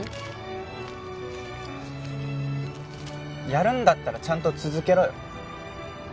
やるんだったらちゃんと続けろよ。